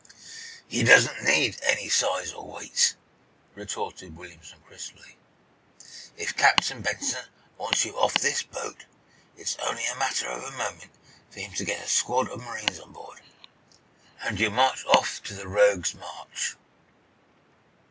"He doesn't need any size or weight," retorted Williamson, crisply. "If Captain Benson wants you off this boat, it's only the matter of a moment for him to get a squad of marines on board—and you'll march off to the 'Rogues' March.